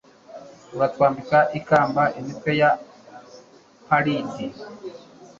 Uratwambika ikamba imitwe ya pallid,